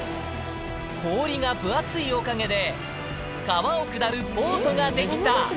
氷が分厚いおかげで、川を下るボートが出来た。